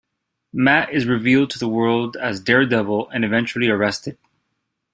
Matt is revealed to the world as Daredevil and eventually arrested.